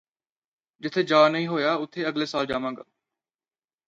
ਜਿਥੇ ਜਾ ਨਹੀਂ ਹੋਇਆ ਉਥੇ ਅਗਲੇ ਸਾਲ ਜਾਵਾਂਗਾ